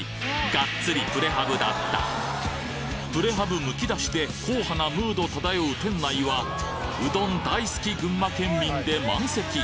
がっつりプレハブだったプレハブむき出しで硬派なムード漂う店内はうどん大好き群馬県民で満席！